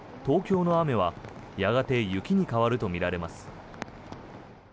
東京の雨はやがて雪に変わるとみられます。